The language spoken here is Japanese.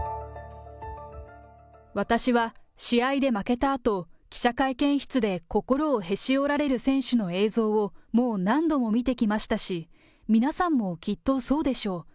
私は試合で負けたあと、記者会見室で心をへし折られる選手の映像をもう何度も見てきましたし、皆さんもきっとそうでしょう。